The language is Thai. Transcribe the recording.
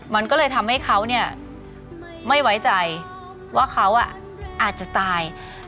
มันก็เลยทำให้เขาเนี่ยไม่ไว้ใจว่าเขาอาจจะตาย